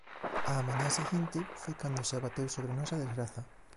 Á mañá seguinte foi cando se abateu sobre nós a desgraza.